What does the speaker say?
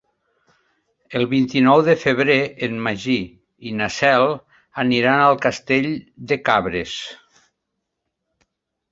El vint-i-nou de febrer en Magí i na Cel aniran a Castell de Cabres.